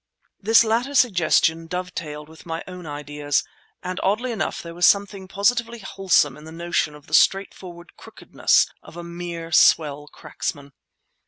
This latter suggestion dovetailed with my own ideas, and oddly enough there was something positively wholesome in the notion of the straightforward crookedness of a mere swell cracksman.